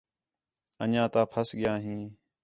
انڄیاں تاں پھس ڳیا ہیں